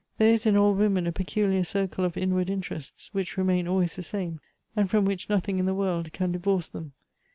There is in all women a peculiar circle of inward interests, which remain always the same, and from which nothing in the world can divorce lliem.